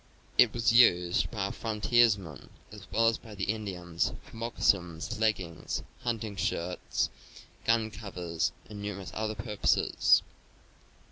It was used by our frontiersmen, as well as by the Indians, for moccasins, leggings, hunting shirts, gun covers and numerous other purposes.